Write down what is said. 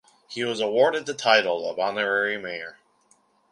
He was awarded the title of honorary mayor.